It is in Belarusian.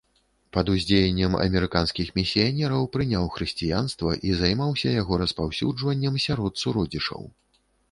Пад уздзеяннем амерыканскіх місіянераў прыняў хрысціянства і займаўся яго распаўсюджваннем сярод суродзічаў.